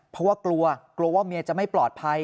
เพราะว่ากลัวกลัวว่าเมียจะไม่ปลอดภัย